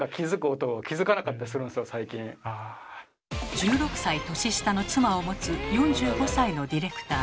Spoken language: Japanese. １６歳年下の妻をもつ４５歳のディレクター。